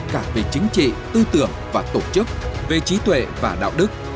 cả về chính trị tư tưởng và tổ chức về trí tuệ và đạo đức